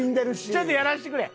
ちょっとやらせてくれ。